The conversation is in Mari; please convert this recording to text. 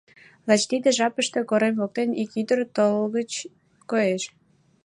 Лач тиде жапыште корем воктен ик ӱдыр толгыч коеш.